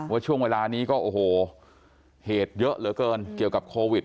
ว่าช่วงเวลานี้ก็โอ้โหเหตุเยอะเหลือเกินเกี่ยวกับโควิด